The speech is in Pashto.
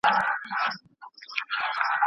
د مسواک په واسطه د خولې بلغم له منځه ځي.